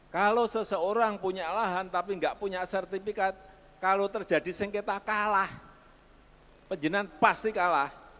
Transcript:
kalau seseorang punya lahan tapi nggak punya sertifikat kalau terjadi sengketa kalah penjinaan pasti kalah